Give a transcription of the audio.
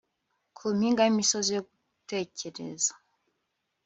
Ku mpinga yimisozi yo gutekereza